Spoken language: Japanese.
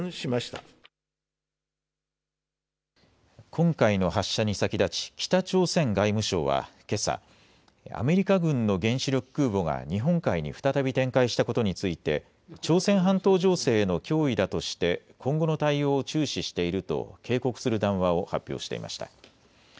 今回の発射に先立ち北朝鮮外務省はけさ、アメリカ軍の原子力空母が日本海に再び展開したことについて朝鮮半島情勢への脅威だととして今後の対応を注視していると警告する談話を発表していました。